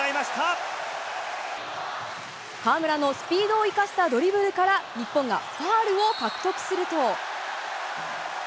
河村のスピードを生かしたドリブルから日本がファウルを獲得すると。